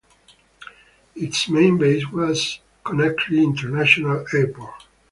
Its main base was Conakry International Airport.